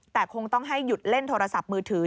แต่คงต้องให้หยุดเล่นโทรศัพท์มือถือ